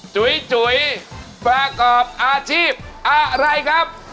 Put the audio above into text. จุ๋ยประกอบอาชีพอะไรครับ